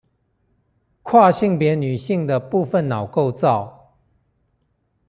跨性別女性的部分腦部構造